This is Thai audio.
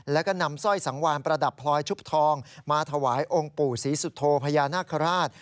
แล้วก็นำสร้อยสังวานประดับพลอยชุบทองมาถวายองค์ปู่ศรีสุโธพญานาคาราช